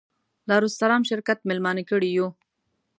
دارالسلام شرکت مېلمانه کړي یو.